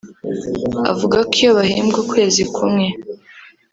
avuga ko iyo bahembwe ukwezi kumwe